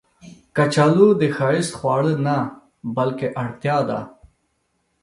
کچالو د ښایست خواړه نه، بلکې اړتیا ده